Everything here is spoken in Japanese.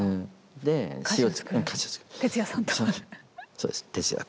そうです。